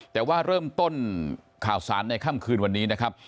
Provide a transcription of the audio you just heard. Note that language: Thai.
แต่ว่าเริ่มต้นข่าวสารในค่ำคืนวันนี้นะครับ